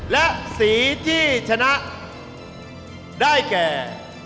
และสีที่ชนะได้แก่